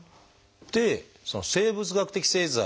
でその生物学的製剤。